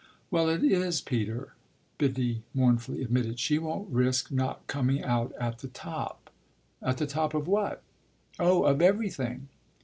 "Well, it is, Peter," Biddy mournfully admitted. "She won't risk not coming out at the top." "At the top of what?" "Oh of everything."